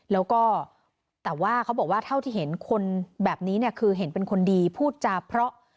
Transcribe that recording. แล้วก็แต่ว่าเขาบอกว่าเท่าที่เห็นคนแบบนี้เนี่ยคือเห็นเป็นคนดีพูดจาเพราะ